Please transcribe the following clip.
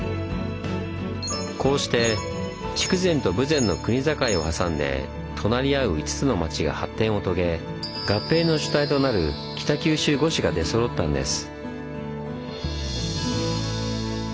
こうして筑前と豊前の国境を挟んで隣り合う５つの町が発展を遂げ合併の主体となる北九州五市が出そろったんです。